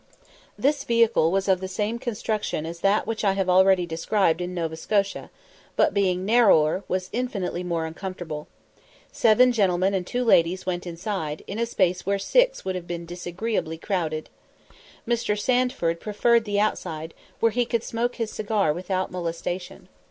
This vehicle was of the same construction as that which I have already described in Nova Scotia; but, being narrower, was infinitely more uncomfortable. Seven gentlemen and two ladies went inside, in a space where six would have been disagreeably crowded. Mr. Sandford preferred the outside, where he could smoke his cigar without molestation.